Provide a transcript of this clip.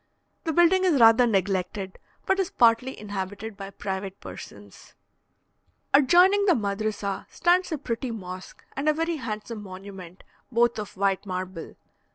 The building is rather neglected, but is partly inhabited by private persons. Adjoining the madrissa stands a pretty mosque and a very handsome monument, both of white marble.